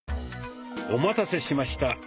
お待たせしました。